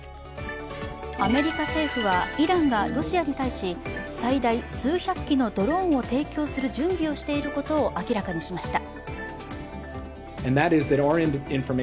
アメリカ政府はイランがロシアに対し、最大数百機のドローンを提供する準備をしていることを明らかにしました。